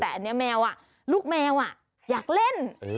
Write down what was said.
แต่อันนี้แมวลูกแมวอยากเล่น